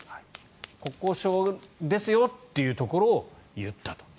国交省ですよっていうところを言ったと。